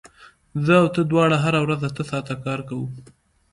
زه او ته دواړه هره ورځ اته ساعته کار کوو